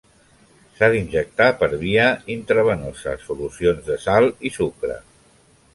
S'ha d'injectar per via intravenosa solucions de sal i sucre.